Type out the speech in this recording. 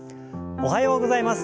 おはようございます。